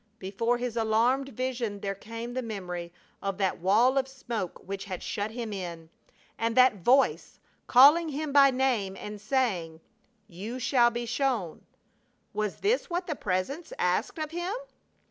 Before his alarmed vision there came the memory of that wall of smoke which had shut him in, and that Voice calling him by name and saying, "You shall be shown." Was this what the Presence asked of him?